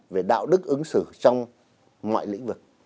về đạo đức ứng xử trong ngoại lĩnh vực